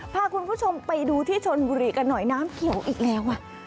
พาคุณผู้ชมไปดูที่ชนบุรีกันหน่อยน้ำเขียวอีกแล้ว